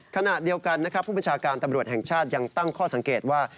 ขณะเดียวกันนะครับผู้บัญชาการตำรวจแห่งชาติยังตั้งข้อสังเกตว่า